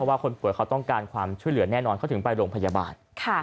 ว่าคนป่วยเขาต้องการความช่วยเหลือแน่นอนเขาถึงไปโรงพยาบาล